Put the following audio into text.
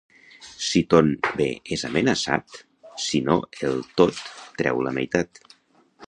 Si ton bé és amenaçat, si no el tot, treu la meitat.